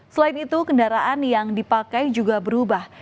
selain itu kendaraan yang dipakai juga berubah